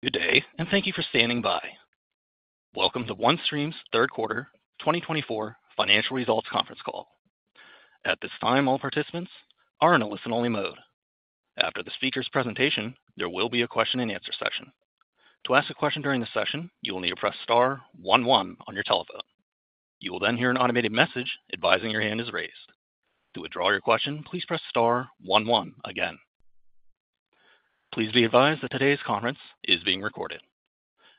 Good day, and thank you for standing by. Welcome to OneStream's Third Quarter 2024 Financial Results Conference Call. At this time, all participants are in a listen-only mode. After the speaker's presentation, there will be a question-and-answer session. To ask a question during the session, you will need to press star one one on your telephone. You will then hear an automated message advising your hand is raised. To withdraw your question, please press star one one again. Please be advised that today's conference is being recorded.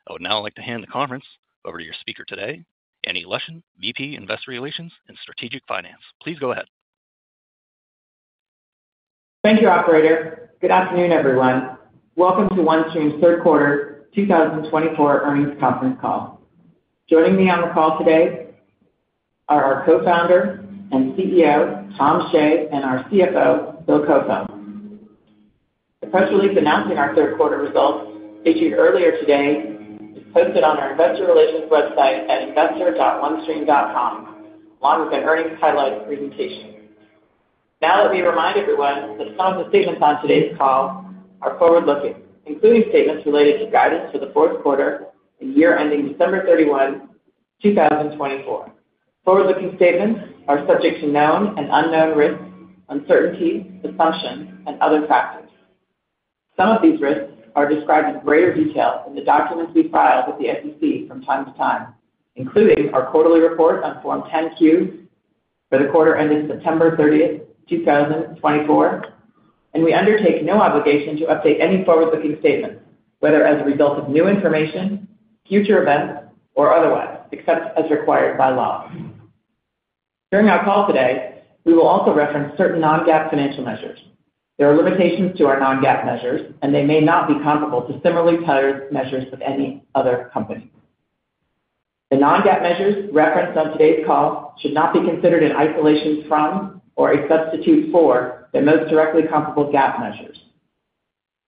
I would now like to hand the conference over to your speaker today, Annie Leschin, VP Investor Relations and Strategic Finance. Please go ahead. Thank you, Operator. Good afternoon, everyone. Welcome to OneStream's Third Quarter 2024 Earnings Conference Call. Joining me on the call today are our Co-founder and CEO, Tom Shea, and our CFO, Bill Koefoed. The press release announcing our third-quarter results, issued earlier today, and is posted on our Investor Relations website at investor.onestream.com, along with an earnings highlight presentation. Now, let me remind everyone that some of the statements on today's call are forward-looking, including statements related to guidance for the fourth quarter and year ending December 31, 2024. Forward-looking statements are subject to known and unknown risks, uncertainties, assumptions, and other factors. Some of these risks are described in greater detail in the documents we file with the SEC from time to time, including our quarterly report on Form 10-Q for the quarter ending September 30, 2024, and we undertake no obligation to update any forward-looking statements, whether as a result of new information, future events, or otherwise, except as required by law. During our call today, we will also reference certain non-GAAP financial measures. There are limitations to our non-GAAP measures, and they may not be comparable to similarly tailored measures of any other company. The non-GAAP measures referenced on today's call should not be considered in isolation from or a substitute for the most directly comparable GAAP measures.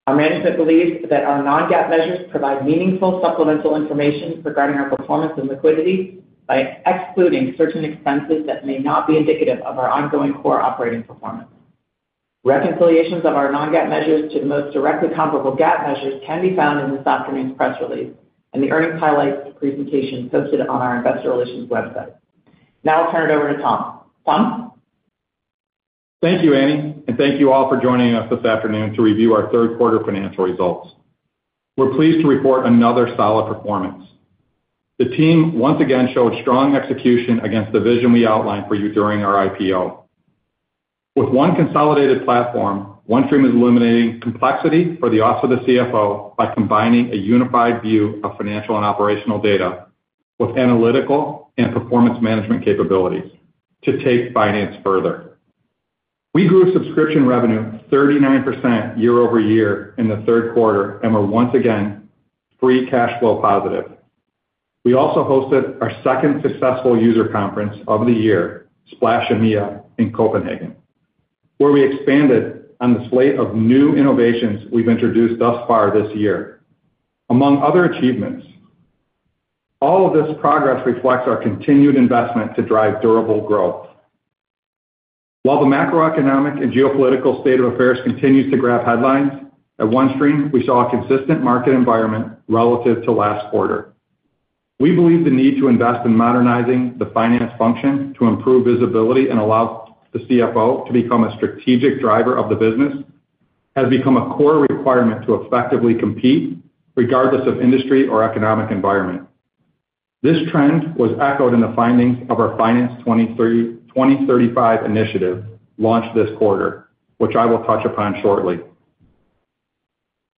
Our management believes that our non-GAAP measures provide meaningful supplemental information regarding our performance and liquidity by excluding certain expenses that may not be indicative of our ongoing core operating performance. Reconciliations of our non-GAAP measures to the most directly comparable GAAP measures can be found in this afternoon's press release and the earnings highlights presentation posted on our Investor Relations website. Now, I'll turn it over to Tom. Tom? Thank you, Annie, and thank you all for joining us this afternoon to review our third-quarter financial results. We're pleased to report another solid performance. The team once again showed strong execution against the vision we outlined for you during our IPO. With one consolidated platform, OneStream is eliminating complexity for the Office of the CFO by combining a unified view of financial and operational data with analytical and performance management capabilities to take finance further. We grew subscription revenue 39% year over year in the third quarter and were once again free cash flow positive. We also hosted our second successful user conference of the year, Splash EMEA, in Copenhagen, where we expanded on the slate of new innovations we've introduced thus far this year. Among other achievements, all of this progress reflects our continued investment to drive durable growth. While the macroeconomic and geopolitical state of affairs continues to grab headlines, at OneStream, we saw a consistent market environment relative to last quarter. We believe the need to invest in modernizing the finance function to improve visibility and allow the CFO to become a strategic driver of the business has become a core requirement to effectively compete, regardless of industry or economic environment. This trend was echoed in the findings of our Finance 2035 initiative launched this quarter, which I will touch upon shortly.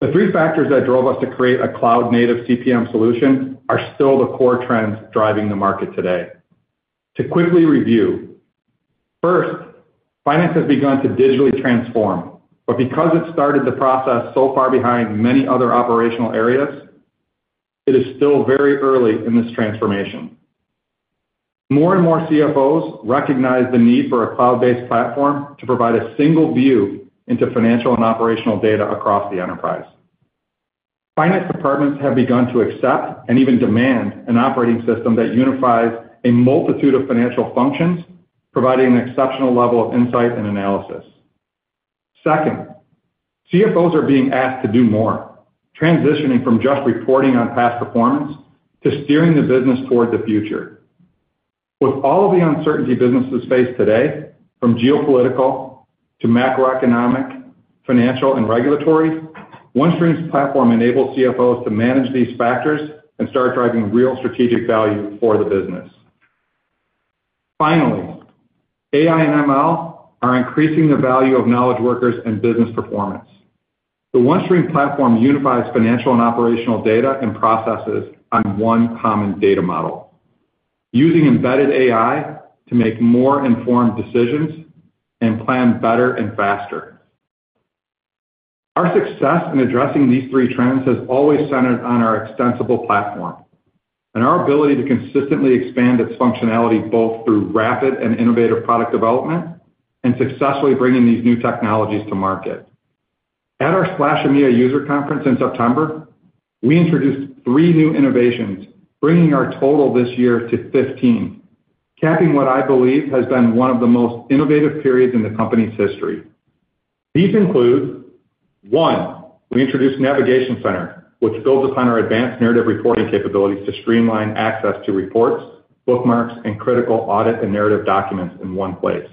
The three factors that drove us to create a cloud-native CPM solution are still the core trends driving the market today. To quickly review, first, finance has begun to digitally transform, but because it started the process so far behind many other operational areas, it is still very early in this transformation. More and more CFOs recognize the need for a cloud-based platform to provide a single view into financial and operational data across the enterprise. Finance departments have begun to accept and even demand an operating system that unifies a multitude of financial functions, providing an exceptional level of insight and analysis. Second, CFOs are being asked to do more, transitioning from just reporting on past performance to steering the business toward the future. With all of the uncertainty businesses face today, from geopolitical to macroeconomic, financial, and regulatory, OneStream's platform enables CFOs to manage these factors and start driving real strategic value for the business. Finally, AI and ML are increasing the value of knowledge workers and business performance. The OneStream platform unifies financial and operational data and processes on one common data model, using embedded AI to make more informed decisions and plan better and faster. Our success in addressing these three trends has always centered on our extensible platform and our ability to consistently expand its functionality both through rapid and innovative product development and successfully bringing these new technologies to market. At our Splash EMEA user conference in September, we introduced three new innovations, bringing our total this year to 15, capping what I believe has been one of the most innovative periods in the company's history. These include: one, we introduced Navigation Center, which builds upon our advanced narrative reporting capabilities to streamline access to reports, bookmarks, and critical audit and narrative documents in one place.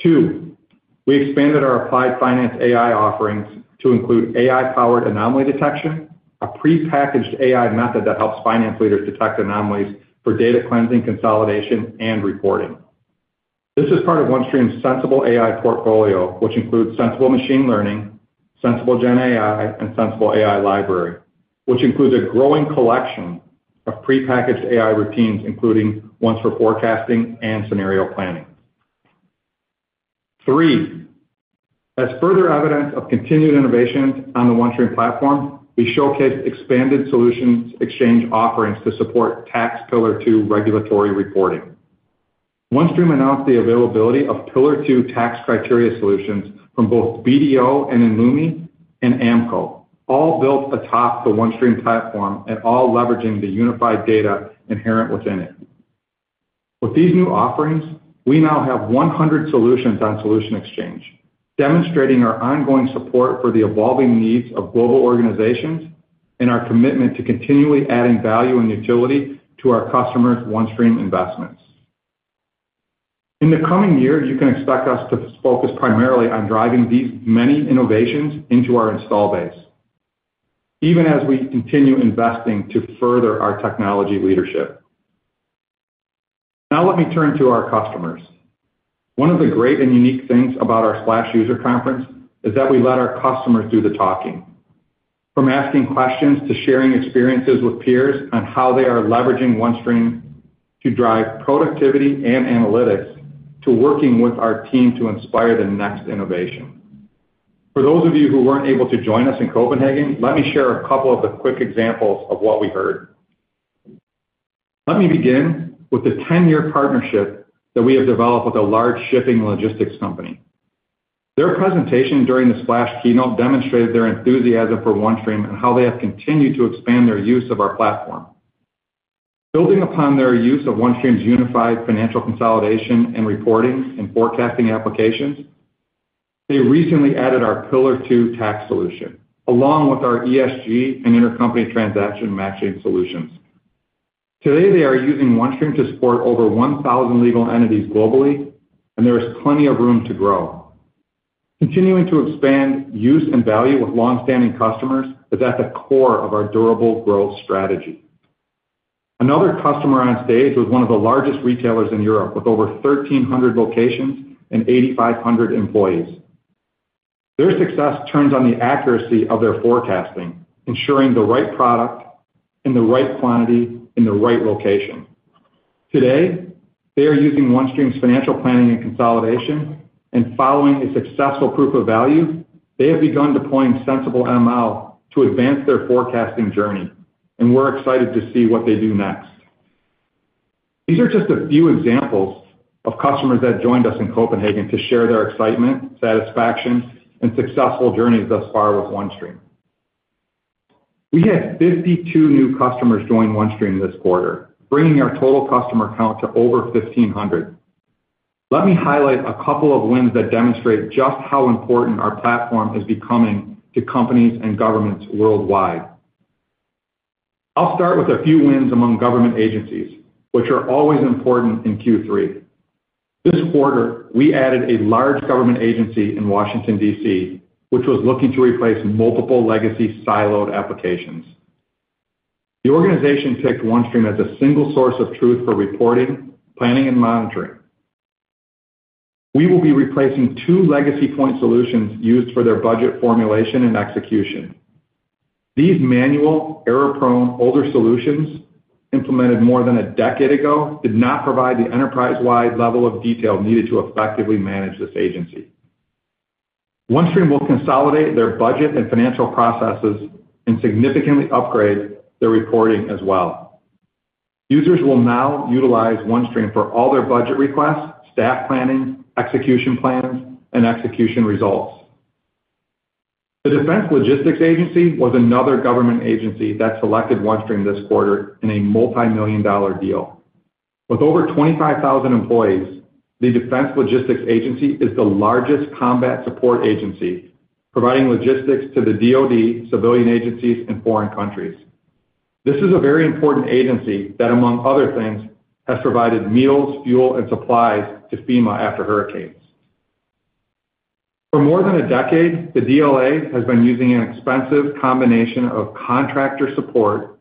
Two, we expanded our Applied Finance AI offerings to include AI-powered anomaly detection, a prepackaged AI method that helps finance leaders detect anomalies for data cleansing, consolidation, and reporting. This is part of OneStream's Sensible AI portfolio, which includes Sensible Machine Learning, Sensible GenAI, and Sensible AI Library, which includes a growing collection of prepackaged AI routines, including ones for forecasting and scenario planning. Three, as further evidence of continued innovations on the OneStream platform, we showcased expanded Solution Exchange offerings to support Tax Pillar Two regulatory reporting. OneStream announced the availability of Pillar Two tax criteria solutions from both BDO and Inlumi and AMCO, all built atop the OneStream platform and all leveraging the unified data inherent within it. With these new offerings, we now have 100 solutions on Solution Exchange, demonstrating our ongoing support for the evolving needs of global organizations and our commitment to continually adding value and utility to our customers' OneStream investments. In the coming year, you can expect us to focus primarily on driving these many innovations into our install base, even as we continue investing to further our technology leadership. Now, let me turn to our customers. One of the great and unique things about our Splash user conference is that we let our customers do the talking, from asking questions to sharing experiences with peers on how they are leveraging OneStream to drive productivity and analytics to working with our team to inspire the next innovation. For those of you who weren't able to join us in Copenhagen, let me share a couple of the quick examples of what we heard. Let me begin with the 10-year partnership that we have developed with a large shipping logistics company. Their presentation during the Splash keynote demonstrated their enthusiasm for OneStream and how they have continued to expand their use of our platform. Building upon their use of OneStream's unified financial consolidation and reporting and forecasting applications, they recently added our Pillar Two tax solution along with our ESG and intercompany Transaction Matching solutions. Today, they are using OneStream to support over 1,000 legal entities globally, and there is plenty of room to grow. Continuing to expand use and value with longstanding customers is at the core of our durable growth strategy. Another customer on stage was one of the largest retailers in Europe with over 1,300 locations and 8,500 employees. Their success turns on the accuracy of their forecasting, ensuring the right product in the right quantity in the right location. Today, they are using OneStream's financial planning and consolidation, and following a successful proof of value, they have begun deploying Sensible ML to advance their forecasting journey, and we're excited to see what they do next. These are just a few examples of customers that joined us in Copenhagen to share their excitement, satisfaction, and successful journeys thus far with OneStream. We had 52 new customers join OneStream this quarter, bringing our total customer count to over 1,500. Let me highlight a couple of wins that demonstrate just how important our platform is becoming to companies and governments worldwide. I'll start with a few wins among government agencies, which are always important in Q3. This quarter, we added a large government agency in Washington, D.C., which was looking to replace multiple legacy siloed applications. The organization picked OneStream as a single source of truth for reporting, planning, and monitoring. We will be replacing two legacy point solutions used for their budget formulation and execution. These manual, error-prone older solutions implemented more than a decade ago did not provide the enterprise-wide level of detail needed to effectively manage this agency. OneStream will consolidate their budget and financial processes and significantly upgrade their reporting as well. Users will now utilize OneStream for all their budget requests, staff planning, execution plans, and execution results. The Defense Logistics Agency was another government agency that selected OneStream this quarter in a multi-million dollar deal. With over 25,000 employees, the Defense Logistics Agency is the largest combat support agency, providing logistics to the DoD, civilian agencies, and foreign countries. This is a very important agency that, among other things, has provided meals, fuel, and supplies to FEMA after hurricanes. For more than a decade, the DLA has been using an expensive combination of contractor support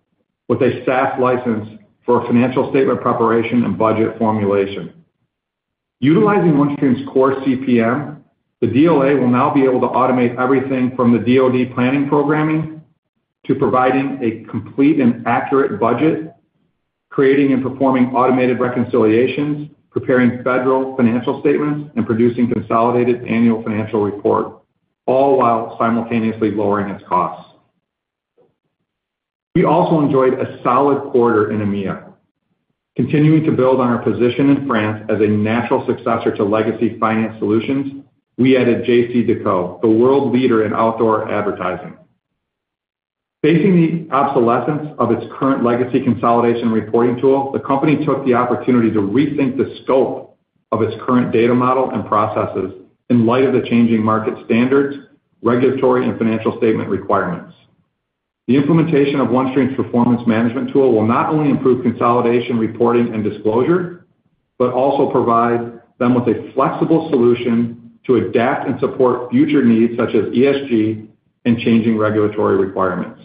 with a SaaS license for financial statement preparation and budget formulation. Utilizing OneStream's core CPM, the DLA will now be able to automate everything from the DoD planning programming to providing a complete and accurate budget, creating and performing automated reconciliations, preparing federal financial statements, and producing consolidated annual financial report, all while simultaneously lowering its costs. We also enjoyed a solid quarter in EMEA. Continuing to build on our position in France as a natural successor to legacy finance solutions, we added JCDecaux, the world leader in outdoor advertising. Facing the obsolescence of its current legacy consolidation reporting tool, the company took the opportunity to rethink the scope of its current data model and processes in light of the changing market standards, regulatory, and financial statement requirements. The implementation of OneStream's performance management tool will not only improve consolidation reporting and disclosure, but also provide them with a flexible solution to adapt and support future needs such as ESG and changing regulatory requirements.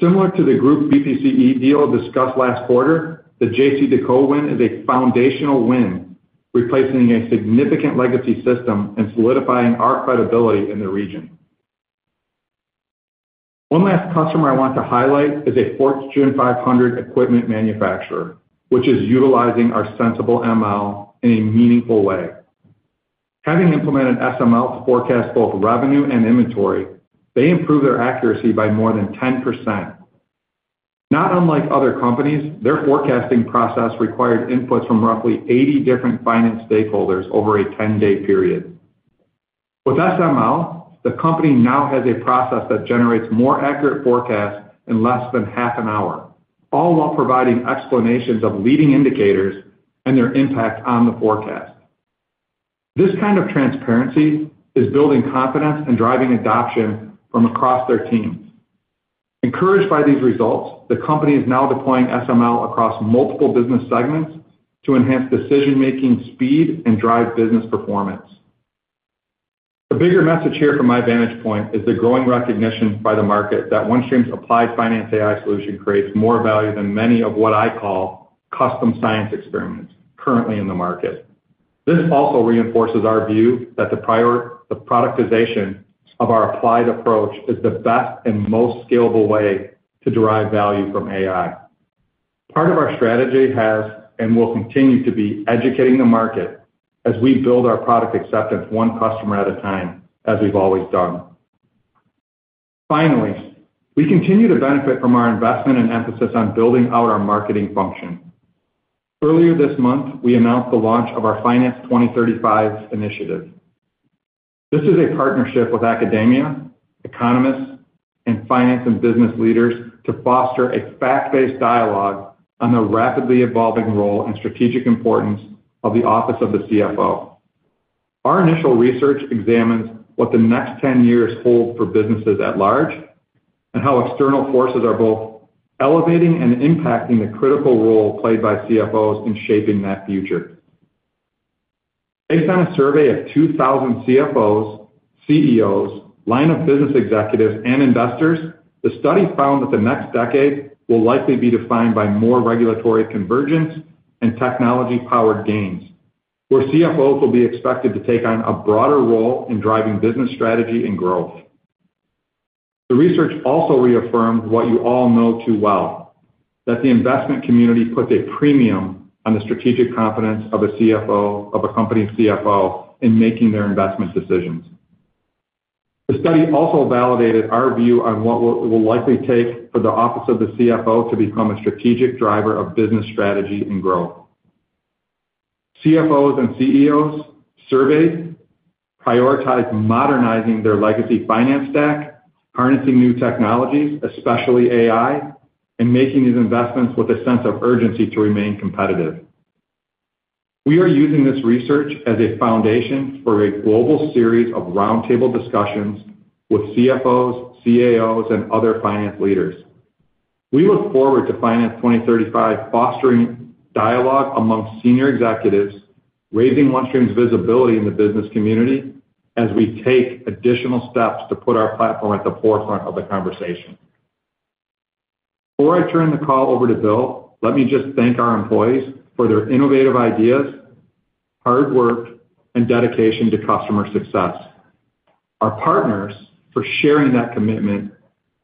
Similar to the Groupe BPCE deal discussed last quarter, the JCDecaux win is a foundational win, replacing a significant legacy system and solidifying our credibility in the region. One last customer I want to highlight is a Fortune 500 equipment manufacturer, which is utilizing our Sensible ML in a meaningful way. Having implemented SML to forecast both revenue and inventory, they improved their accuracy by more than 10%. Not unlike other companies, their forecasting process required inputs from roughly 80 different finance stakeholders over a 10-day period. With SML, the company now has a process that generates more accurate forecasts in less than half an hour, all while providing explanations of leading indicators and their impact on the forecast. This kind of transparency is building confidence and driving adoption from across their teams. Encouraged by these results, the company is now deploying SML across multiple business segments to enhance decision-making speed and drive business performance. The bigger message here from my vantage point is the growing recognition by the market that OneStream's applied finance AI solution creates more value than many of what I call custom science experiments currently in the market. This also reinforces our view that the productization of our applied approach is the best and most scalable way to derive value from AI. Part of our strategy has and will continue to be educating the market as we build our product acceptance one customer at a time, as we've always done. Finally, we continue to benefit from our investment and emphasis on building out our marketing function. Earlier this month, we announced the launch of our Finance 2035 initiative. This is a partnership with academia, economists, and finance and business leaders to foster a fact-based dialogue on the rapidly evolving role and strategic importance of the Office of the CFO. Our initial research examines what the next 10 years hold for businesses at large and how external forces are both elevating and impacting the critical role played by CFOs in shaping that future. Based on a survey of 2,000 CFOs, CEOs, line of business executives, and investors, the study found that the next decade will likely be defined by more regulatory convergence and technology-powered gains, where CFOs will be expected to take on a broader role in driving business strategy and growth. The research also reaffirmed what you all know too well, that the investment community puts a premium on the strategic confidence of a CFO, of a company's CFO, in making their investment decisions. The study also validated our view on what it will likely take for the Office of the CFO to become a strategic driver of business strategy and growth. CFOs and CEOs surveyed prioritized modernizing their legacy finance stack, harnessing new technologies, especially AI, and making these investments with a sense of urgency to remain competitive. We are using this research as a foundation for a global series of roundtable discussions with CFOs, CAOs, and other finance leaders. We look forward to Finance 2035 fostering dialogue amongst senior executives, raising OneStream's visibility in the business community as we take additional steps to put our platform at the forefront of the conversation. Before I turn the call over to Bill, let me just thank our employees for their innovative ideas, hard work, and dedication to customer success. Our partners for sharing that commitment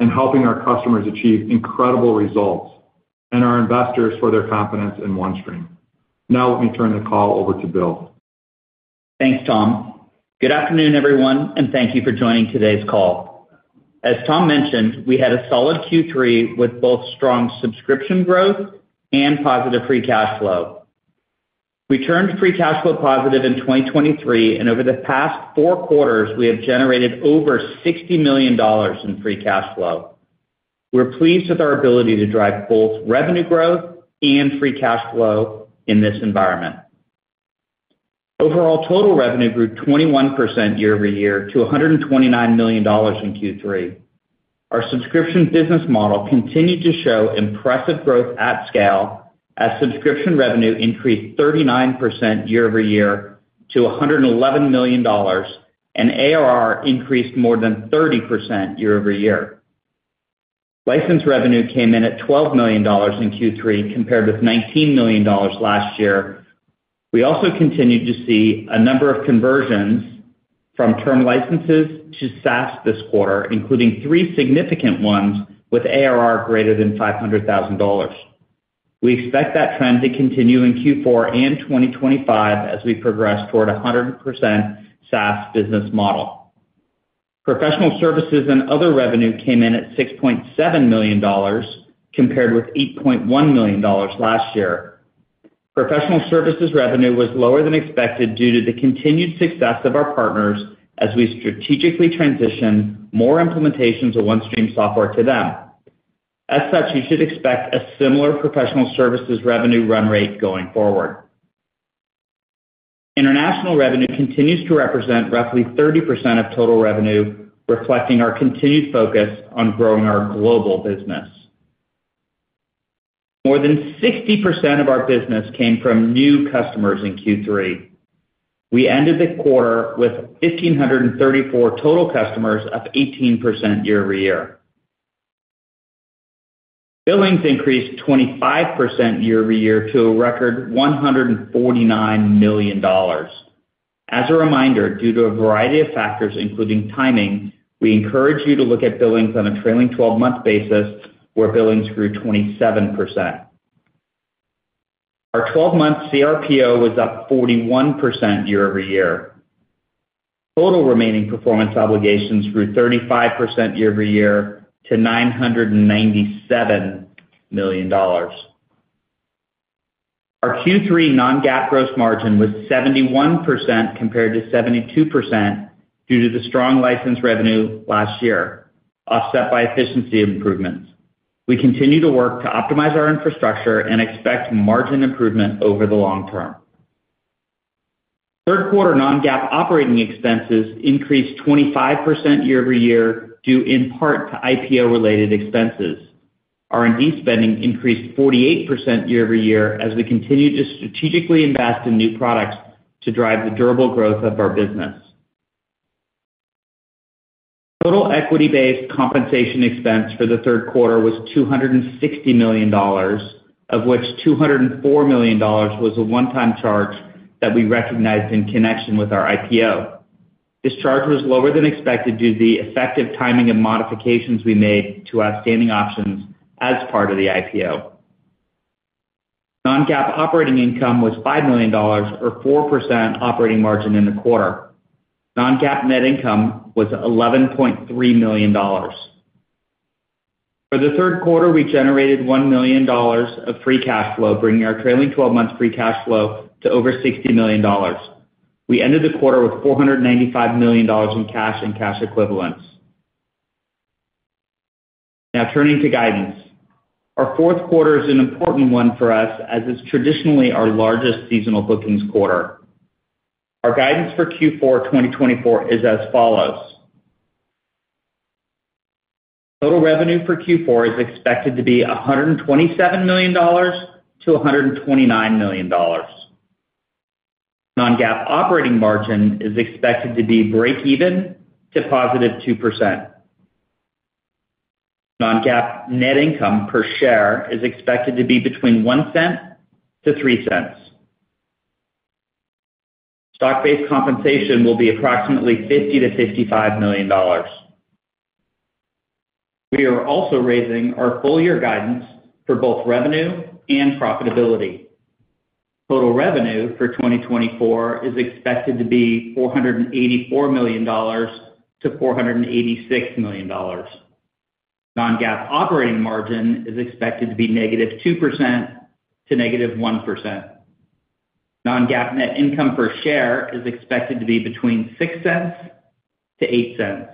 and helping our customers achieve incredible results, and our investors for their confidence in OneStream. Now, let me turn the call over to Bill. Thanks, Tom. Good afternoon, everyone, and thank you for joining today's call. As Tom mentioned, we had a solid Q3 with both strong subscription growth and positive free cash flow. We turned free cash flow positive in 2023, and over the past four quarters, we have generated over $60 million in free cash flow. We're pleased with our ability to drive both revenue growth and free cash flow in this environment. Overall total revenue grew 21% year over year to $129 million in Q3. Our subscription business model continued to show impressive growth at scale as subscription revenue increased 39% year over year to $111 million, and ARR increased more than 30% year over year. License revenue came in at $12 million in Q3, compared with $19 million last year. We also continued to see a number of conversions from term licenses to SaaS this quarter, including three significant ones with ARR greater than $500,000. We expect that trend to continue in Q4 and 2025 as we progress toward a 100% SaaS business model. Professional services and other revenue came in at $6.7 million, compared with $8.1 million last year. Professional services revenue was lower than expected due to the continued success of our partners as we strategically transitioned more implementations of OneStream software to them. As such, you should expect a similar professional services revenue run rate going forward. International revenue continues to represent roughly 30% of total revenue, reflecting our continued focus on growing our global business. More than 60% of our business came from new customers in Q3. We ended the quarter with 1,534 total customers, up 18% year over year. Billings increased 25% year over year to a record $149 million. As a reminder, due to a variety of factors, including timing, we encourage you to look at billings on a trailing 12-month basis, where billings grew 27%. Our 12-month CRPO was up 41% year over year. Total remaining performance obligations grew 35% year over year to $997 million. Our Q3 non-GAAP gross margin was 71% compared to 72% due to the strong license revenue last year, offset by efficiency improvements. We continue to work to optimize our infrastructure and expect margin improvement over the long term. Third quarter non-GAAP operating expenses increased 25% year over year due, in part, to IPO-related expenses. R&D spending increased 48% year over year as we continue to strategically invest in new products to drive the durable growth of our business. Total equity-based compensation expense for the third quarter was $260 million, of which $204 million was a one-time charge that we recognized in connection with our IPO. This charge was lower than expected due to the effective timing of modifications we made to outstanding options as part of the IPO. Non-GAAP operating income was $5 million, or 4% operating margin in the quarter. Non-GAAP net income was $11.3 million. For the third quarter, we generated $1 million of free cash flow, bringing our trailing 12-month free cash flow to over $60 million. We ended the quarter with $495 million in cash and cash equivalents. Now, turning to guidance. Our fourth quarter is an important one for us as it's traditionally our largest seasonal bookings quarter. Our guidance for Q4 2024 is as follows. Total revenue for Q4 is expected to be $127 million-$129 million. Non-GAAP operating margin is expected to be break-even to positive 2%. Non-GAAP net income per share is expected to be between $0.01-$0.03. Stock-based compensation will be approximately $50 million-$55 million. We are also raising our full-year guidance for both revenue and profitability. Total revenue for 2024 is expected to be $484 million-$486 million. Non-GAAP operating margin is expected to be negative 2% to negative 1%. Non-GAAP net income per share is expected to be between $0.06 to $0.08.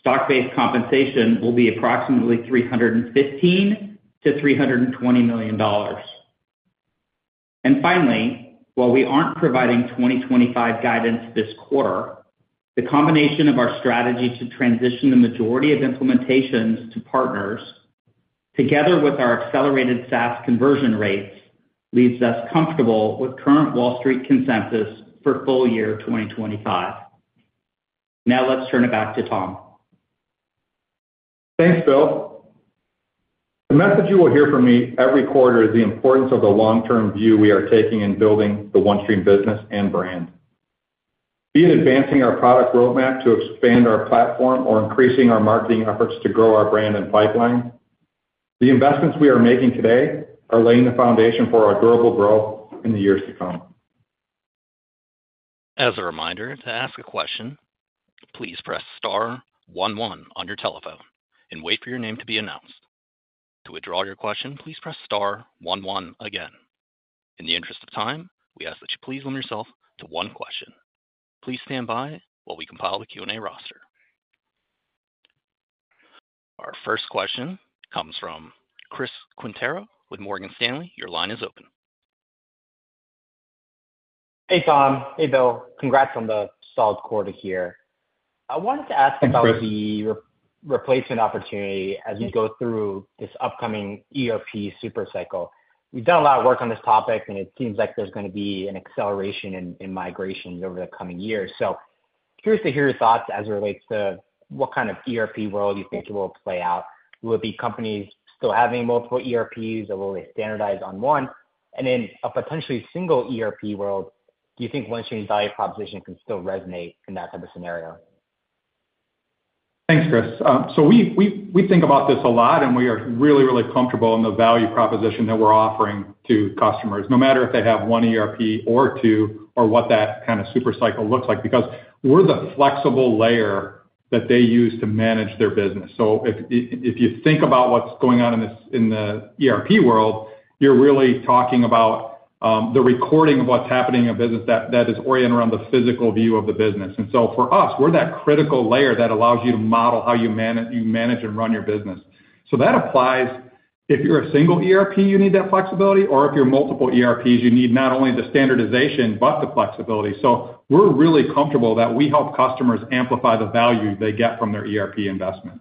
Stock-based compensation will be approximately $315 million-$320 million. And finally, while we aren't providing 2025 guidance this quarter, the combination of our strategy to transition the majority of implementations to partners, together with our accelerated SaaS conversion rates, leaves us comfortable with current Wall Street consensus for full year 2025. Now, let's turn it back to Tom. Thanks, Bill. The message you will hear from me every quarter is the importance of the long-term view we are taking in building the OneStream business and brand. Be it advancing our product roadmap to expand our platform or increasing our marketing efforts to grow our brand and pipeline, the investments we are making today are laying the foundation for our durable growth in the years to come. As a reminder, to ask a question, please press star one one on your telephone and wait for your name to be announced. To withdraw your question, please press star one one again. In the interest of time, we ask that you please limit yourself to one question. Please stand by while we compile the Q&A roster. Our first question comes from Chris Quintero with Morgan Stanley. Your line is open. Hey, Tom. Hey, Bill. Congrats on the solid quarter here. I wanted to ask about the replacement opportunity as we go through this upcoming ERP supercycle. We've done a lot of work on this topic, and it seems like there's going to be an acceleration in migrations over the coming years. So curious to hear your thoughts as it relates to what kind of ERP world you think it will play out. Will it be companies still having multiple ERPs, or will they standardize on one? And in a potentially single ERP world, do you think OneStream's value proposition can still resonate in that type of scenario? Thanks, Chris. We think about this a lot, and we are really, really comfortable in the value proposition that we're offering to customers, no matter if they have one ERP or two or what that kind of supercycle looks like, because we're the flexible layer that they use to manage their business. So if you think about what's going on in the ERP world, you're really talking about the recording of what's happening in a business that is oriented around the physical view of the business. And so for us, we're that critical layer that allows you to model how you manage and run your business. So that applies if you're a single ERP, you need that flexibility, or if you're multiple ERPs, you need not only the standardization, but the flexibility. So we're really comfortable that we help customers amplify the value they get from their ERP investment.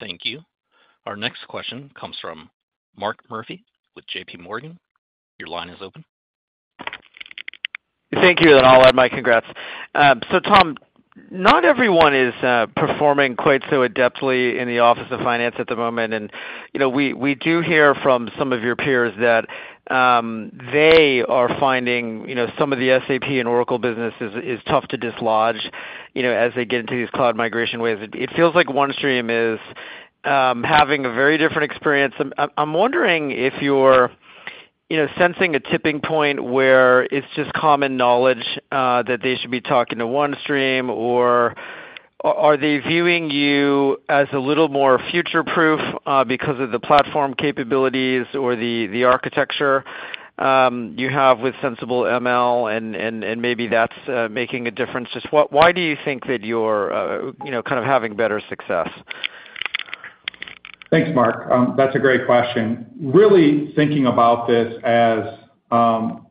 Thank you. Our next question comes from Mark Murphy with J.P. Morgan. Your line is open. Thank you. And I'll add my congrats. So Tom, not everyone is performing quite so adeptly in the Office of Finance at the moment. We do hear from some of your peers that they are finding some of the SAP and Oracle businesses is tough to dislodge as they get into these cloud migration waves. It feels like OneStream is having a very different experience. I'm wondering if you're sensing a tipping point where it's just common knowledge that they should be talking to OneStream, or are they viewing you as a little more future-proof because of the platform capabilities or the architecture you have with Sensible ML, and maybe that's making a difference? Just why do you think that you're kind of having better success? Thanks, Mark. That's a great question. Really thinking about this as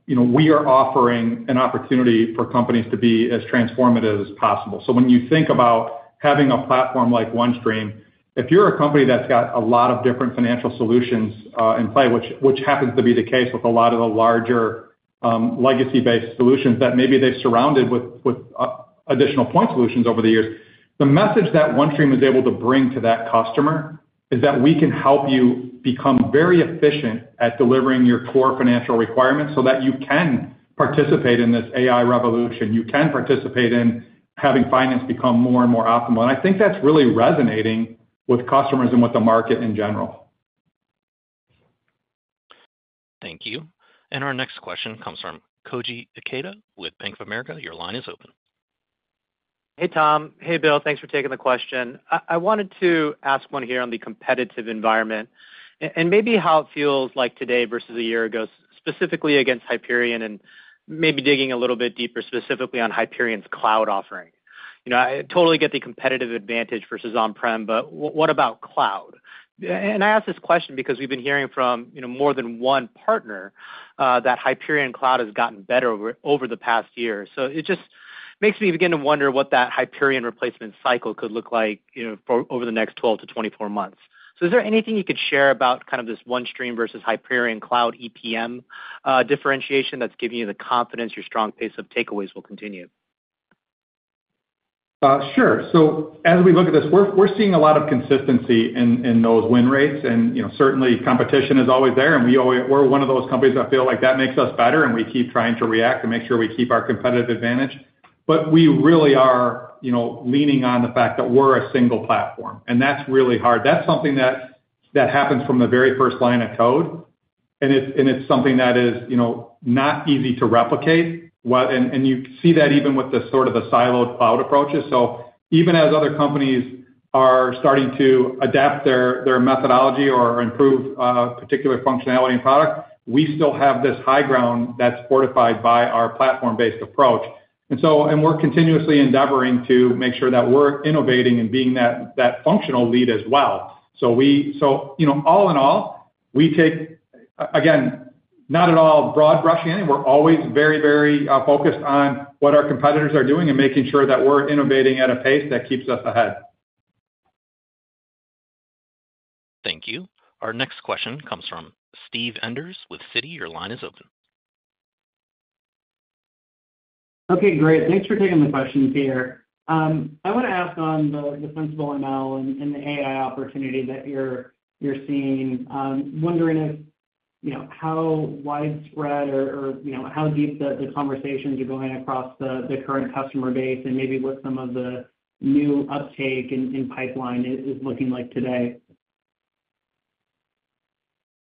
we are offering an opportunity for companies to be as transformative as possible. So when you think about having a platform like OneStream, if you're a company that's got a lot of different financial solutions in play, which happens to be the case with a lot of the larger legacy-based solutions that maybe they've surrounded with additional point solutions over the years, the message that OneStream is able to bring to that customer is that we can help you become very efficient at delivering your core financial requirements so that you can participate in this AI revolution. You can participate in having finance become more and more optimal. And I think that's really resonating with customers and with the market in general. Thank you. And our next question comes from Koji Ikeda with Bank of America. Your line is open. Hey, Tom. Hey, Bill. Thanks for taking the question. I wanted to ask one here on the competitive environment and maybe how it feels like today versus a year ago, specifically against Hyperion and maybe digging a little bit deeper specifically on Hyperion's cloud offering. I totally get the competitive advantage versus on-prem, but what about cloud? And I ask this question because we've been hearing from more than one partner that Hyperion cloud has gotten better over the past year. So it just makes me begin to wonder what that Hyperion replacement cycle could look like over the next 12-24 months. So is there anything you could share about kind of this OneStream versus Hyperion cloud EPM differentiation that's giving you the confidence your strong pace of takeaways will continue? Sure. So as we look at this, we're seeing a lot of consistency in those win rates. And certainly, competition is always there. And we're one of those companies that feel like that makes us better, and we keep trying to react to make sure we keep our competitive advantage. But we really are leaning on the fact that we're a single platform. And that's really hard. That's something that happens from the very first line of code. And it's something that is not easy to replicate. And you see that even with the sort of the siloed cloud approaches. So even as other companies are starting to adapt their methodology or improve particular functionality and product, we still have this high ground that's fortified by our platform-based approach. And we're continuously endeavoring to make sure that we're innovating and being that functional lead as well. So all in all, we take, again, not at all broad brushing it. We're always very, very focused on what our competitors are doing and making sure that we're innovating at a pace that keeps us ahead. Thank you. Our next question comes from Steve Enders with Citi. Your line is open. Okay. Great. Thanks for taking the question, Peter. I want to ask on the Sensible ML and the AI opportunity that you're seeing. I'm wondering how widespread or how deep the conversations are going across the current customer base and maybe what some of the new uptake in pipeline is looking like today.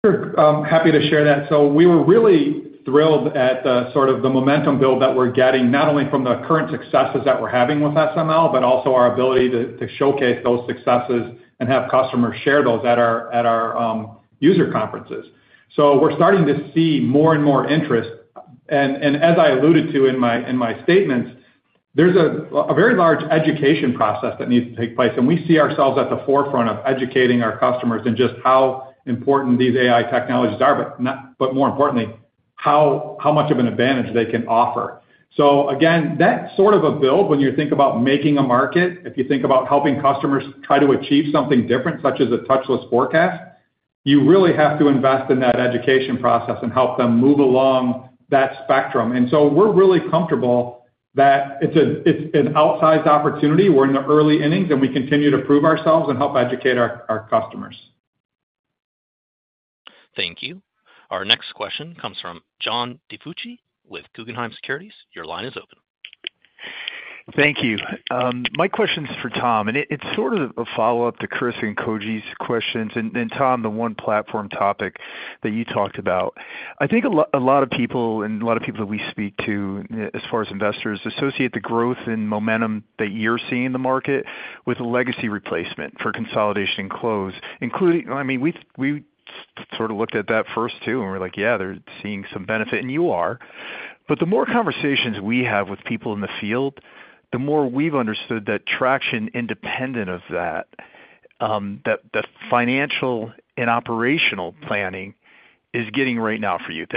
Sure. Happy to share that. So we were really thrilled at sort of the momentum build that we're getting, not only from the current successes that we're having with SML, but also our ability to showcase those successes and have customers share those at our user conferences. So we're starting to see more and more interest. And as I alluded to in my statements, there's a very large education process that needs to take place. And we see ourselves at the forefront of educating our customers in just how important these AI technologies are, but more importantly, how much of an advantage they can offer. So again, that sort of a build, when you think about making a market, if you think about helping customers try to achieve something different, such as a touchless forecast, you really have to invest in that education process and help them move along that spectrum. And so we're really comfortable that it's an outsized opportunity. We're in the early innings, and we continue to prove ourselves and help educate our customers. Thank you. Our next question comes from John DiFucci with Guggenheim Securities. Your line is open. Thank you. My question's for Tom. It's sort of a follow-up to Chris and Koji's questions. Tom, the one platform topic that you talked about, I think a lot of people that we speak to, as far as investors, associate the growth and momentum that you're seeing in the market with legacy replacement for consolidation and close. I mean, we sort of looked at that first too, and we're like, "Yeah, they're seeing some benefit." You are. But the more conversations we have with people in the field, the more we've understood that traction independent of that, that financial and operational planning is getting right now for you.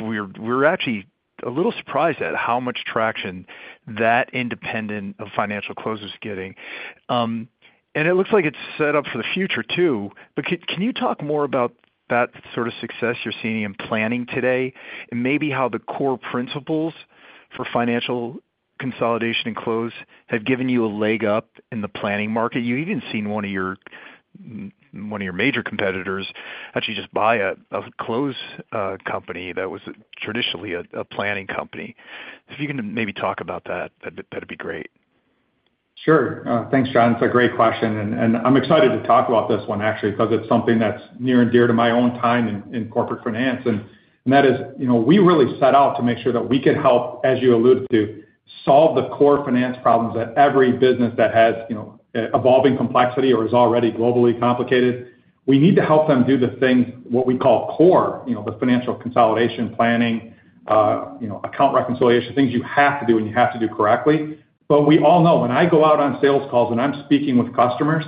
We're actually a little surprised at how much traction that independent of financial closes is getting. It looks like it's set up for the future too. But can you talk more about that sort of success you're seeing in planning today and maybe how the core principles for financial consolidation and close have given you a leg up in the planning market? You've even seen one of your major competitors actually just buy a close company that was traditionally a planning company. If you can maybe talk about that, that'd be great. Sure. Thanks, John. It's a great question. And I'm excited to talk about this one, actually, because it's something that's near and dear to my own time in corporate finance. And that is we really set out to make sure that we could help, as you alluded to, solve the core finance problems that every business that has evolving complexity or is already globally complicated. We need to help them do the things, what we call core, the financial consolidation, planning, account reconciliation, things you have to do and you have to do correctly. But we all know when I go out on sales calls and I'm speaking with customers,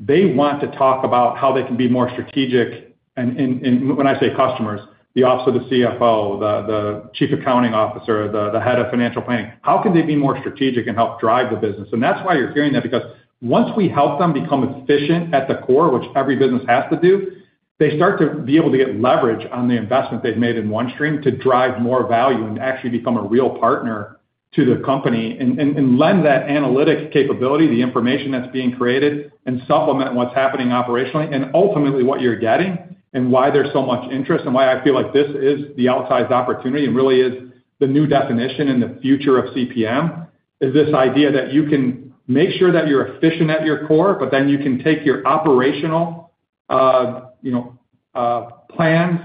they want to talk about how they can be more strategic. And when I say customers, the officer, the CFO, the chief accounting officer, the head of financial planning, how can they be more strategic and help drive the business? And that's why you're hearing that, because once we help them become efficient at the core, which every business has to do, they start to be able to get leverage on the investment they've made in OneStream to drive more value and actually become a real partner to the company and lend that analytic capability, the information that's being created, and supplement what's happening operationally. Ultimately, what you're getting and why there's so much interest and why I feel like this is the outsized opportunity and really is the new definition in the future of CPM is this idea that you can make sure that you're efficient at your core, but then you can take your operational plans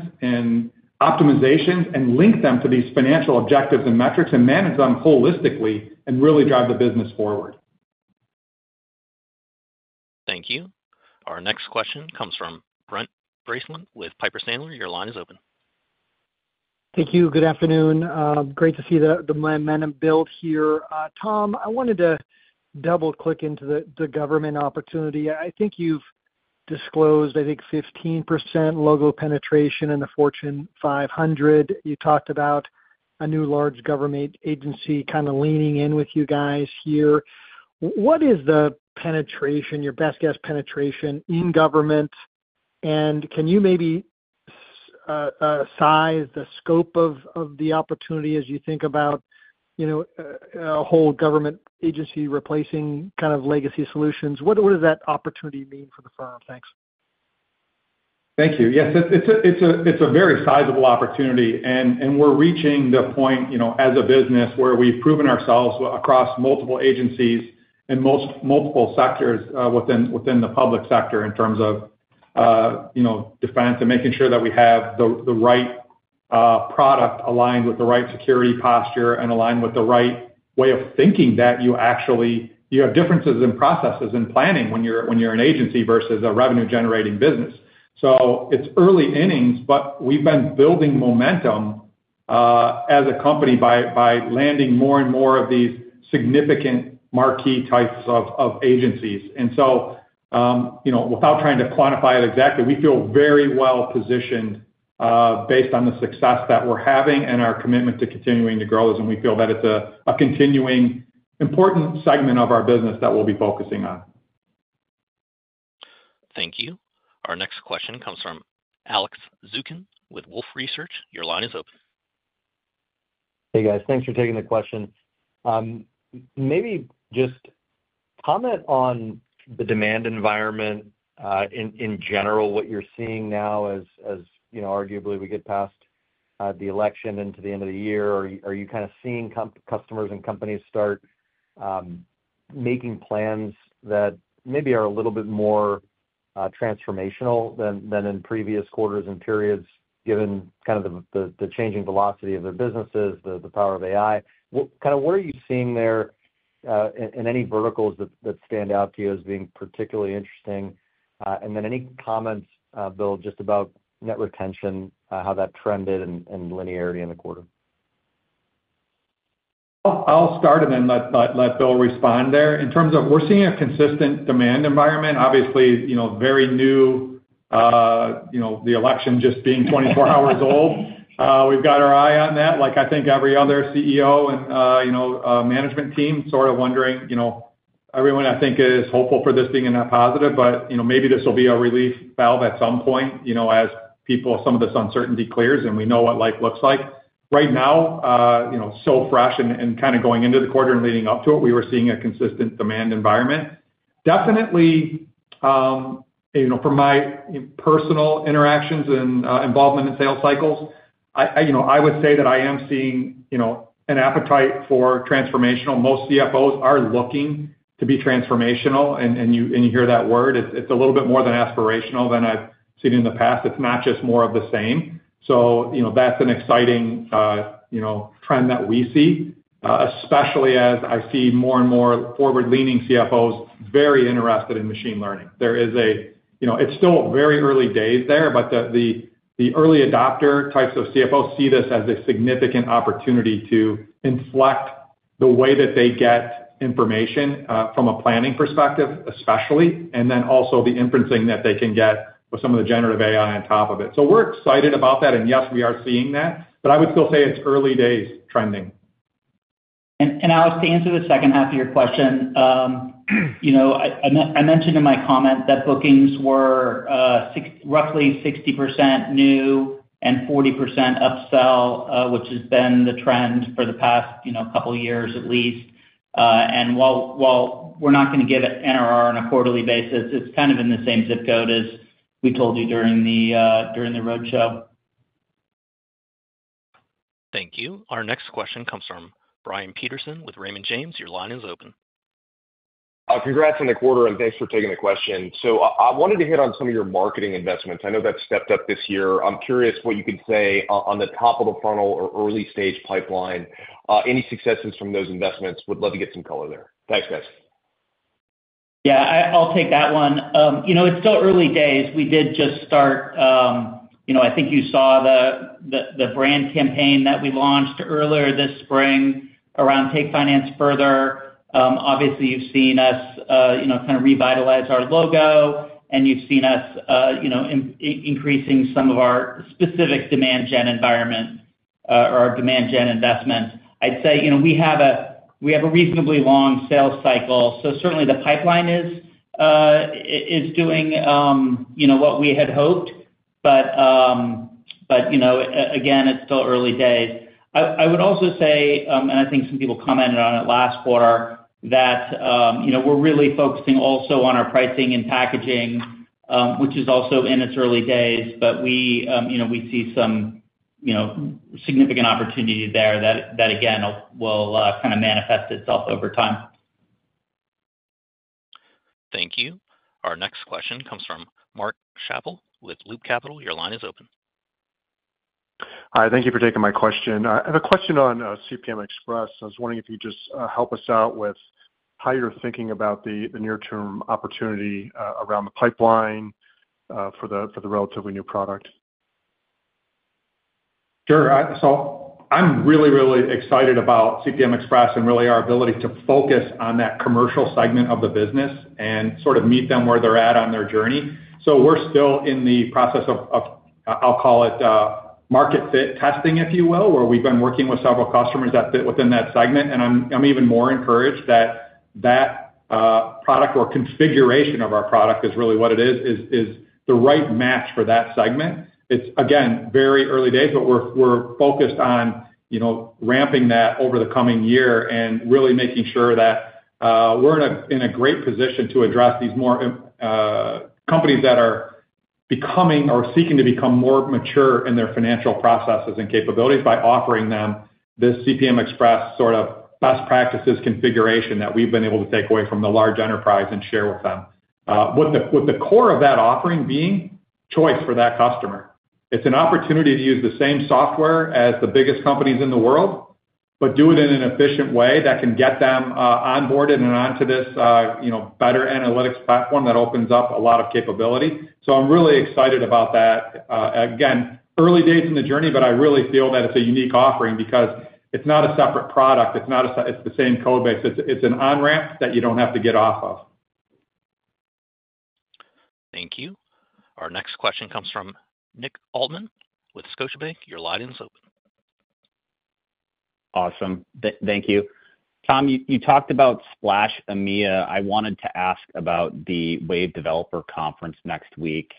and optimizations and link them to these financial objectives and metrics and manage them holistically and really drive the business forward. Thank you. Our next question comes from Brent Bracelin with Piper Sandler. Your line is open. Thank you. Good afternoon. Great to see the momentum build here. Tom, I wanted to double-click into the government opportunity. I think you've disclosed, I think, 15% logo penetration in the Fortune 500. You talked about a new large government agency kind of leaning in with you guys here. What is the penetration, your best guess, penetration in government? And can you maybe size the scope of the opportunity as you think about a whole government agency replacing kind of legacy solutions? What does that opportunity mean for the firm? Thanks. Thank you. Yes. It's a very sizable opportunity. And we're reaching the point as a business where we've proven ourselves across multiple agencies and multiple sectors within the public sector in terms of defense and making sure that we have the right product aligned with the right security posture and aligned with the right way of thinking that you actually have differences in processes and planning when you're an agency versus a revenue-generating business. So it's early innings, but we've been building momentum as a company by landing more and more of these significant marquee types of agencies. And so without trying to quantify it exactly, we feel very well positioned based on the success that we're having and our commitment to continuing to grow as we feel that it's a continuing important segment of our business that we'll be focusing on. Thank you. Our next question comes from Alex Zukin with Wolfe Research. Your line is open. Hey, guys. Thanks for taking the question. Maybe just comment on the demand environment in general, what you're seeing now as arguably we get past the election into the end of the year. Are you kind of seeing customers and companies start making plans that maybe are a little bit more transformational than in previous quarters and periods, given kind of the changing velocity of their businesses, the power of AI? Kind of what are you seeing there in any verticals that stand out to you as being particularly interesting? And then any comments, Bill, just about net retention, how that trended and linearity in the quarter? I'll start and then let Bill respond there. In terms of, we're seeing a consistent demand environment, obviously very new, the election just being 24 hours old. We've got our eye on that. Like, I think every other CEO and management team sort of wondering. Everyone, I think, is hopeful for this being a net positive, but maybe this will be a relief valve at some point as some of this uncertainty clears and we know what life looks like. Right now, so fresh and kind of going into the quarter and leading up to it, we were seeing a consistent demand environment. Definitely, from my personal interactions and involvement in sales cycles, I would say that I am seeing an appetite for transformational. Most CFOs are looking to be transformational. You hear that word. It's a little bit more than aspirational than I've seen in the past. It's not just more of the same. So that's an exciting trend that we see, especially as I see more and more forward-leaning CFOs very interested in machine learning. There is. It's still very early days there, but the early adopter types of CFOs see this as a significant opportunity to inflect the way that they get information from a planning perspective, especially, and then also the inferencing that they can get with some of the generative AI on top of it. So we're excited about that. And yes, we are seeing that. But I would still say it's early days trending. Alex, to answer the second half of your question, I mentioned in my comment that bookings were roughly 60% new and 40% upsell, which has been the trend for the past couple of years at least. While we're not going to get NRR on a quarterly basis, it's kind of in the same zip code as we told you during the roadshow. Thank you. Our next question comes from Brian Peterson with Raymond James. Your line is open. Congrats on the quarter, and thanks for taking the question. So I wanted to hit on some of your marketing investments. I know that's stepped up this year. I'm curious what you could say on the top of the funnel or early stage pipeline. Any successes from those investments? Would love to get some color there. Thanks, guys. Yeah. I'll take that one. It's still early days. We did just start. I think you saw the brand campaign that we launched earlier this spring around Take Finance Further. Obviously, you've seen us kind of revitalize our logo, and you've seen us increasing some of our specific demand gen environment or our demand gen investments. I'd say we have a reasonably long sales cycle. So certainly, the pipeline is doing what we had hoped. But again, it's still early days. I would also say, and I think some people commented on it last quarter, that we're really focusing also on our pricing and packaging, which is also in its early days. But we see some significant opportunity there that, again, will kind of manifest itself over time. Thank you. Our next question comes from Mark Schappel with Loop Capital. Your line is open. Hi. Thank you for taking my question. I have a question on CPM Express. I was wondering if you'd just help us out with how you're thinking about the near-term opportunity around the pipeline for the relatively new product. Sure. So I'm really, really excited about CPM Express and really our ability to focus on that commercial segment of the business and sort of meet them where they're at on their journey. So we're still in the process of, I'll call it, market fit testing, if you will, where we've been working with several customers that fit within that segment. And I'm even more encouraged that that product or configuration of our product is really what it is, is the right match for that segment. It's, again, very early days, but we're focused on ramping that over the coming year and really making sure that we're in a great position to address these more companies that are becoming or seeking to become more mature in their financial processes and capabilities by offering them this CPM Express sort of best practices configuration that we've been able to take away from the large enterprise and share with them, with the core of that offering being choice for that customer. It's an opportunity to use the same software as the biggest companies in the world, but do it in an efficient way that can get them onboarded and onto this better analytics platform that opens up a lot of capability. So I'm really excited about that. Again, early days in the journey, but I really feel that it's a unique offering because it's not a separate product. It's the same code base. It's an on-ramp that you don't have to get off of. Thank you. Our next question comes from Nick Altman with Scotiabank. Your line is open. Awesome. Thank you. Tom, you talked about Splash EMEA. I wanted to ask about the Wave Developer Conference next week.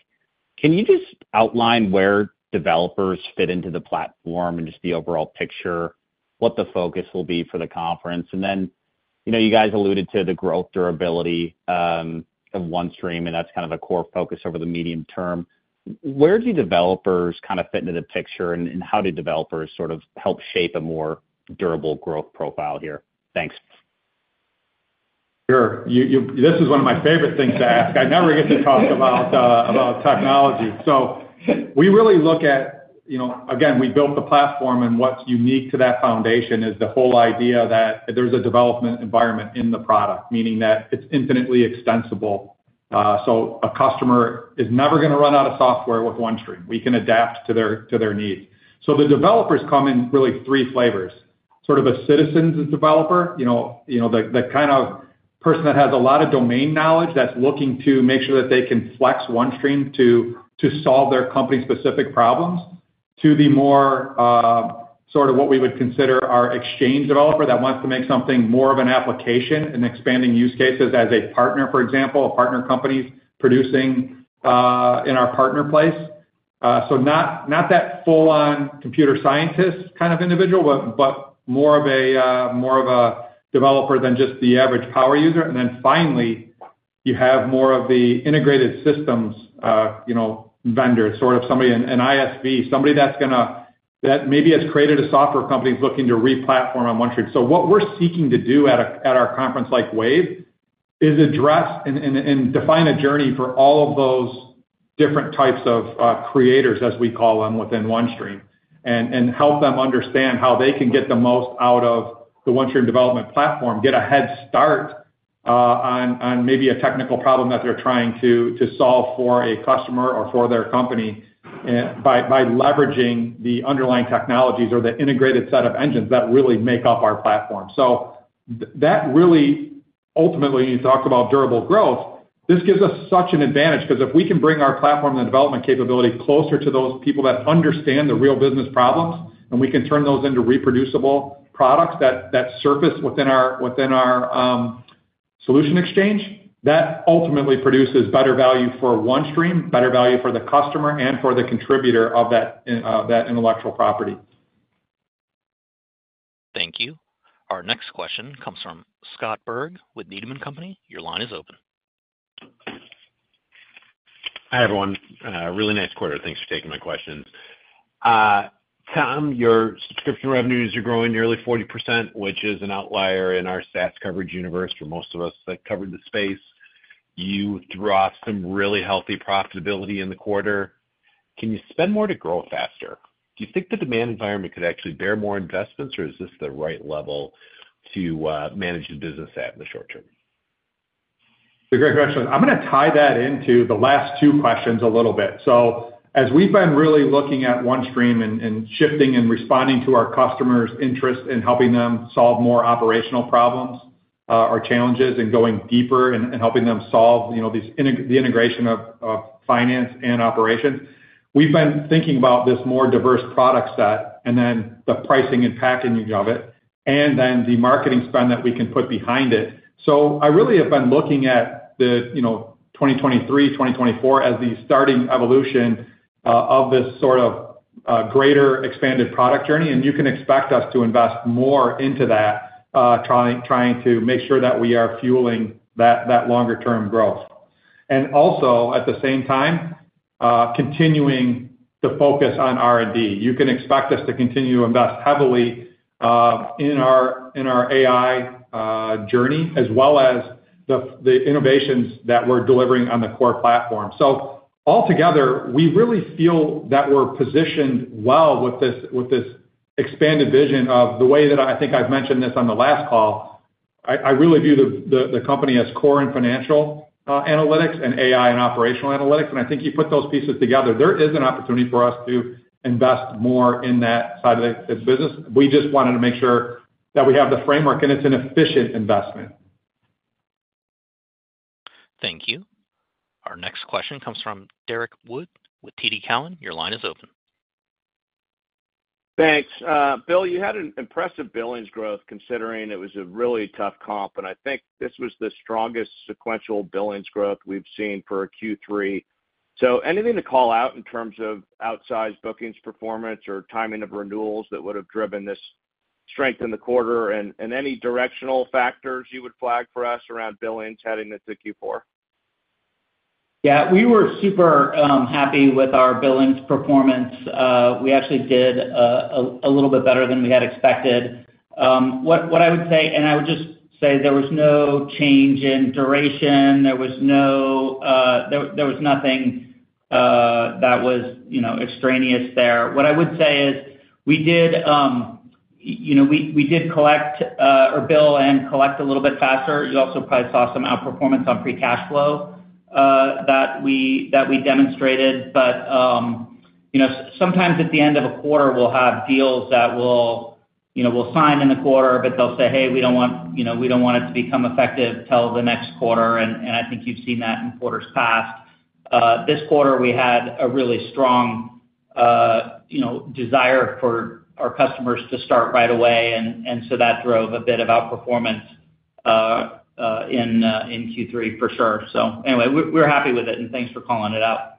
Can you just outline where developers fit into the platform and just the overall picture, what the focus will be for the conference? And then you guys alluded to the growth durability of OneStream, and that's kind of a core focus over the medium term. Where do developers kind of fit into the picture, and how do developers sort of help shape a more durable growth profile here? Thanks. Sure. This is one of my favorite things to ask. I never get to talk about technology. So we really look at, again, we built the platform, and what's unique to that foundation is the whole idea that there's a development environment in the product, meaning that it's infinitely extensible. So a customer is never going to run out of software with OneStream. We can adapt to their needs. So the developers come in really three flavors. Sort of a citizen's developer, the kind of person that has a lot of domain knowledge that's looking to make sure that they can flex OneStream to solve their company-specific problems, to the more sort of what we would consider our exchange developer that wants to make something more of an application and expanding use cases as a partner, for example, a partner company's producing in our PartnerPlace. So not that full-on computer scientist kind of individual, but more of a developer than just the average power user. Finally, you have more of the integrated systems vendor, sort of somebody, an ISV, somebody that maybe has created a software company that's looking to replatform on OneStream. So what we're seeking to do at our conference like Wave is address and define a journey for all of those different types of creators, as we call them, within OneStream and help them understand how they can get the most out of the OneStream development platform, get a head start on maybe a technical problem that they're trying to solve for a customer or for their company by leveraging the underlying technologies or the integrated set of engines that really make up our platform. So that really, ultimately, when you talk about durable growth, this gives us such an advantage because if we can bring our platform and development capability closer to those people that understand the real business problems and we can turn those into reproducible products that surface within our Solution Exchange, that ultimately produces better value for OneStream, better value for the customer and for the contributor of that intellectual property. Thank you. Our next question comes from Scott Berg with Needham & Company. Your line is open. Hi, everyone. Really nice quarter. Thanks for taking my questions. Tom, your subscription revenues are growing nearly 40%, which is an outlier in our SaaS coverage universe for most of us that covered the space. You draw some really healthy profitability in the quarter. Can you spend more to grow faster? Do you think the demand environment could actually bear more investments, or is this the right level to manage the business at in the short term? Great question. I'm going to tie that into the last two questions a little bit. So as we've been really looking at OneStream and shifting and responding to our customers' interests and helping them solve more operational problems or challenges and going deeper and helping them solve the integration of finance and operations, we've been thinking about this more diverse product set and then the pricing and packaging of it and then the marketing spend that we can put behind it. So I really have been looking at the 2023, 2024 as the starting evolution of this sort of greater expanded product journey. And you can expect us to invest more into that, trying to make sure that we are fueling that longer-term growth. And also, at the same time, continuing to focus on R&D. You can expect us to continue to invest heavily in our AI journey as well as the innovations that we're delivering on the core platform. So altogether, we really feel that we're positioned well with this expanded vision of the way that I think I've mentioned this on the last call. I really view the company as core and financial analytics and AI and operational analytics. And I think you put those pieces together. There is an opportunity for us to invest more in that side of the business. We just wanted to make sure that we have the framework and it's an efficient investment. Thank you. Our next question comes from Derek Wood with TD Cowen. Your line is open. Thanks. Bill, you had an impressive billings growth considering it was a really tough comp. I think this was the strongest sequential billings growth we've seen for Q3. Anything to call out in terms of outsized bookings performance or timing of renewals that would have driven this strength in the quarter and any directional factors you would flag for us around billings heading into Q4? Yeah. We were super happy with our billings performance. We actually did a little bit better than we had expected. What I would say, and I would just say there was no change in duration. There was nothing that was extraneous there. What I would say is we did collect or bill and collect a little bit faster. You also probably saw some outperformance on free cash flow that we demonstrated. But sometimes at the end of a quarter, we'll have deals that we'll sign in the quarter, but they'll say, "Hey, we don't want it to become effective till the next quarter." And I think you've seen that in quarters past. This quarter, we had a really strong desire for our customers to start right away. And so that drove a bit of outperformance in Q3 for sure. So anyway, we're happy with it. And thanks for calling it out.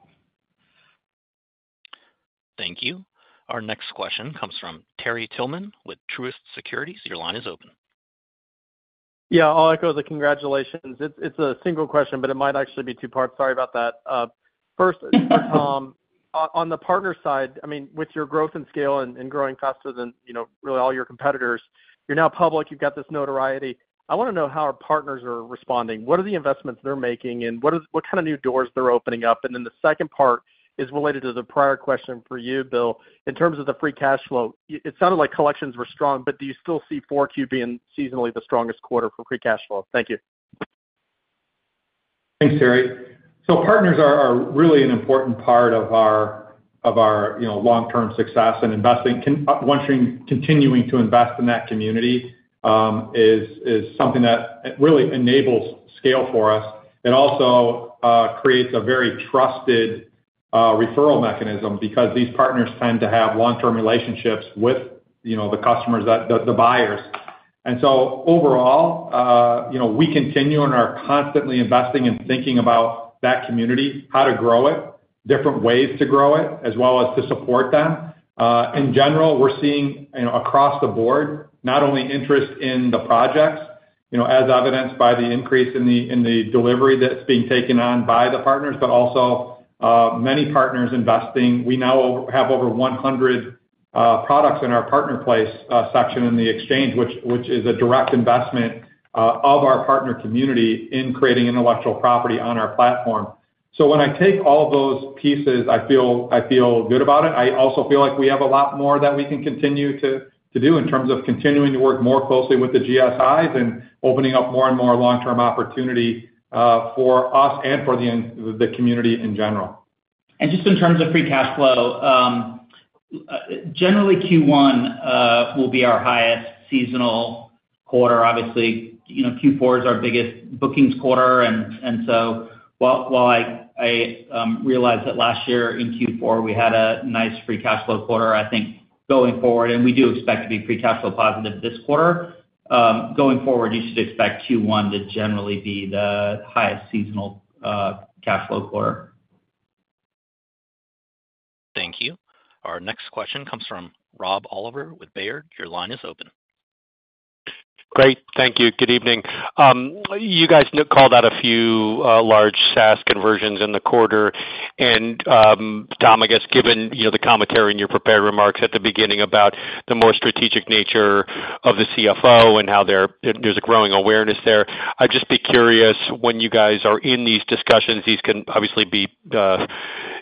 Thank you. Our next question comes from Terry Tillman with Truist Securities. Your line is open. Yeah. I'll echo the congratulations. It's a single question, but it might actually be two parts. Sorry about that. First, Tom, on the partner side, I mean, with your growth and scale and growing faster than really all your competitors, you're now public. You've got this notoriety. I want to know how our partners are responding. What are the investments they're making and what kind of new doors they're opening up? And then the second part is related to the prior question for you, Bill, in terms of the free cash flow. It sounded like collections were strong, but do you still see 4Q being seasonally the strongest quarter for free cash flow? Thank you. Thanks, Terry. So partners are really an important part of our long-term success and investing. OneStream continuing to invest in that community is something that really enables scale for us. It also creates a very trusted referral mechanism because these partners tend to have long-term relationships with the customers, the buyers. And so overall, we continue and are constantly investing and thinking about that community, how to grow it, different ways to grow it, as well as to support them. In general, we're seeing across the board not only interest in the projects, as evidenced by the increase in the delivery that's being taken on by the partners, but also many partners investing. We now have over 100 products in our PartnerPlace section in the exchange, which is a direct investment of our partner community in creating intellectual property on our platform. So when I take all those pieces, I feel good about it. I also feel like we have a lot more that we can continue to do in terms of continuing to work more closely with the GSIs and opening up more and more long-term opportunity for us and for the community in general. And just in terms of free cash flow, generally, Q1 will be our highest seasonal quarter. Obviously, Q4 is our biggest bookings quarter. And so while I realized that last year in Q4 we had a nice free cash fow quarter, I think going forward, and we do expect to be free cash flow positive this quarter, going forward, you should expect Q1 to generally be the highest seasonal cash flow quarter. Thank you. Our next question comes from Rob Oliver with Baird. Your line is open. Great. Thank you. Good evening. You guys called out a few large SaaS conversions in the quarter. And Tom, I guess, given the commentary and your prepared remarks at the beginning about the more strategic nature of the CFO and how there's a growing awareness there, I'd just be curious when you guys are in these discussions, these can obviously be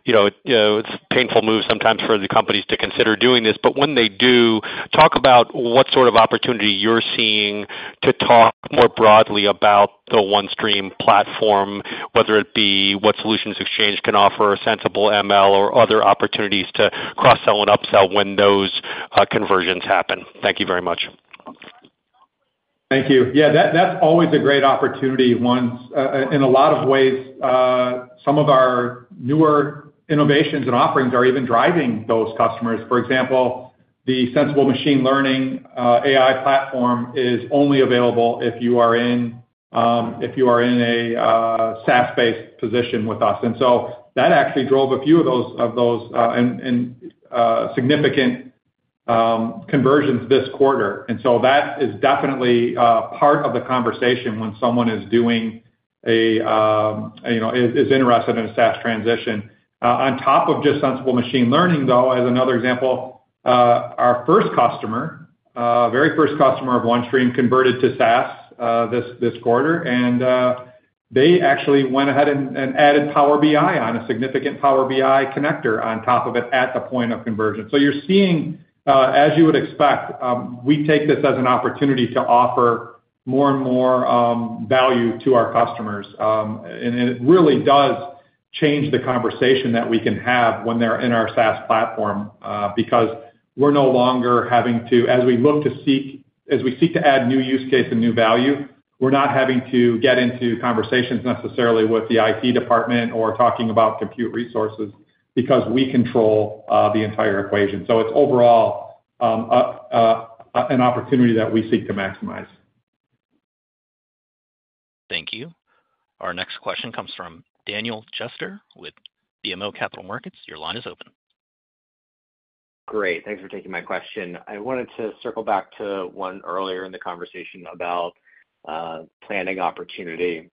painful moves sometimes for the companies to consider doing this. But when they do, talk about what sort of opportunity you're seeing to talk more broadly about the OneStream platform, whether it be what Solution Exchange can offer, Sensible ML, or other opportunities to cross-sell and upsell when those conversions happen. Thank you very much. Thank you. Yeah, that's always a great opportunity. In a lot of ways, some of our newer innovations and offerings are even driving those customers. For example, the Sensible Machine Learning AI platform is only available if you are in a SaaS-based position with us. And so that actually drove a few of those significant conversions this quarter. And so that is definitely part of the conversation when someone is doing a is interested in a SaaS transition. On top of just Sensible Machine Learning, though, as another example, our first customer, very first customer of OneStream converted to SaaS this quarter. They actually went ahead and added Power BI on a significant Power BI connector on top of it at the point of conversion. So you're seeing, as you would expect, we take this as an opportunity to offer more and more value to our customers. And it really does change the conversation that we can have when they're in our SaaS platform because we're no longer having to, as we seek to add new use case and new value, we're not having to get into conversations necessarily with the IT department or talking about compute resources because we control the entire equation. So it's overall an opportunity that we seek to maximize. Thank you. Our next question comes from Daniel Jester with BMO Capital Markets. Your line is open. Great. Thanks for taking my question. I wanted to circle back to one earlier in the conversation about planning opportunity.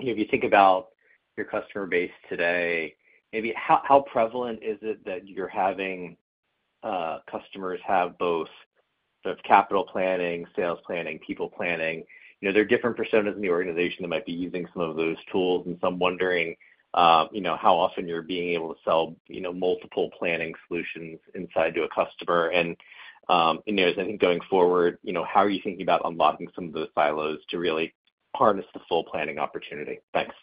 If you think about your customer base today, maybe how prevalent is it that you're having customers have both sort of capital planning, sales planning, people planning? There are different personas in the organization that might be using some of those tools. And I'm wondering how often you're being able to sell multiple planning solutions inside to a customer. And as I think going forward, how are you thinking about unlocking some of those silos to really harness the full planning opportunity? Thanks.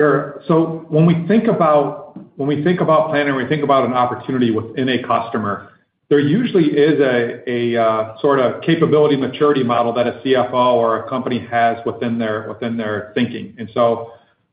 Sure. So when we think about planning, we think about an opportunity within a customer. There usually is a sort of capability maturity model that a CFO or a company has within their thinking. And so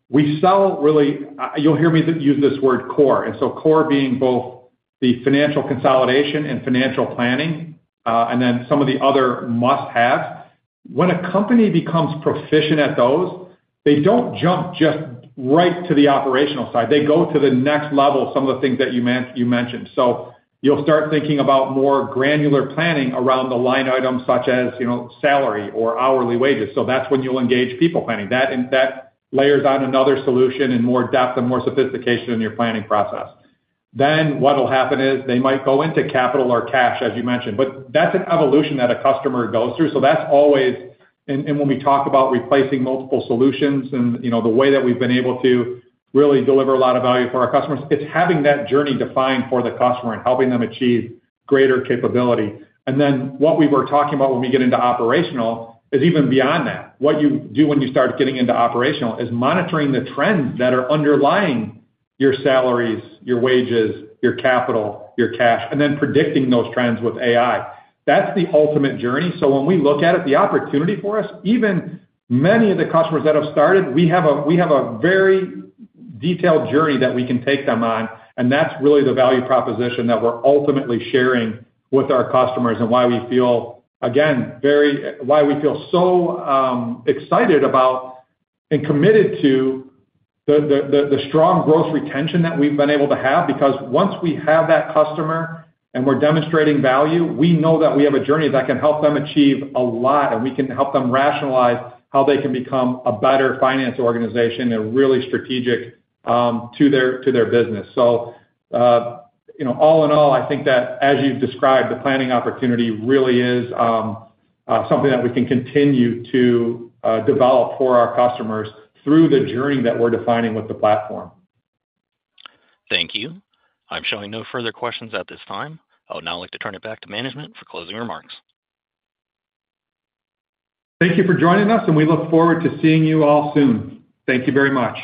we sell really. You'll hear me use this word core. Core being both the financial consolidation and financial planning, and then some of the other must-haves. When a company becomes proficient at those, they don't jump just right to the operational side. They go to the next level of some of the things that you mentioned. So you'll start thinking about more granular planning around the line items such as salary or hourly wages. So that's when you'll engage people planning. That layers on another solution and more depth and more sophistication in your planning process. Then what'll happen is they might go into capital or cash, as you mentioned. But that's an evolution that a customer goes through. So that's always, and when we talk about replacing multiple solutions and the way that we've been able to really deliver a lot of value for our customers, it's having that journey defined for the customer and helping them achieve greater capability. And then what we were talking about when we get into operational is even beyond that. What you do when you start getting into operational is monitoring the trends that are underlying your salaries, your wages, your capital, your cash, and then predicting those trends with AI. That's the ultimate journey. So when we look at it, the opportunity for us, even many of the customers that have started, we have a very detailed journey that we can take them on. That's really the value proposition that we're ultimately sharing with our customers and why we feel, again, very excited about and committed to the strong growth retention that we've been able to have. Because once we have that customer and we're demonstrating value, we know that we have a journey that can help them achieve a lot. We can help them rationalize how they can become a better finance organization and really strategic to their business. All in all, I think that, as you've described, the planning opportunity really is something that we can continue to develop for our customers through the journey that we're defining with the platform. Thank you. I'm showing no further questions at this time. Oh, now I'd like to turn it back to management for closing remarks. Thank you for joining us. We look forward to seeing you all soon. Thank you very much.